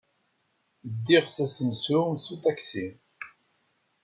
Ddiɣ s asensu s uṭaksi.